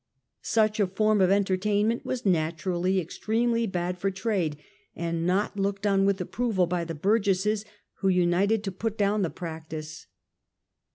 Such a form of entertainment was naturally extremely bad for trade, and not looked on with approval by the burgesses, who united to put down the practice.